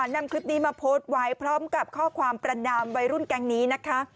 นำคลิปนี้มาโพสต์ไว้พร้อมกับข้อความประนามวัยรุ่นแก๊งนี้นะคะ